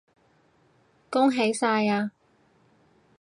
恭喜晒呀